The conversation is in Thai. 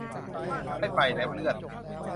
ไม่ไปแล้ว เลื่อน